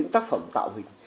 tác phẩm tạo hình